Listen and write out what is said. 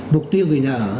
mục tiêu về nhà ở